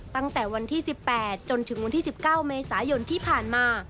ตั้งแต่วันที่๑๘จนถึงวันที่๑๙เมษายนที่ผ่านมา